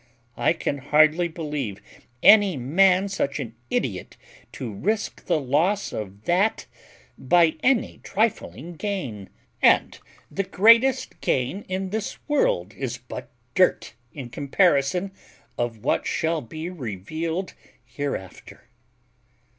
I can hardly believe any man such an idiot to risque the loss of that by any trifling gain, and the greatest gain in this world is but dirt in comparison of what shall be revealed hereafter."